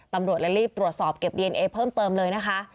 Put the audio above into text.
ตำรวจเลยรีบตรวจสอบเก็บดีเอนเอเพิ่มเติมเลยนะคะ